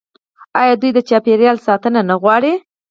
آیا دوی د چاپیریال ساتنه نه غواړي؟